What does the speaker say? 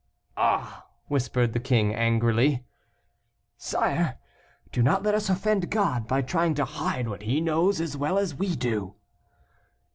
"Ah!" whispered the king, angrily. "Sire, do not let us offend God, by trying to hide what He knows as well as we do."